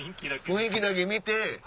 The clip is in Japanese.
雰囲気だけ見て。